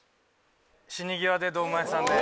「死に際」で堂前さんで。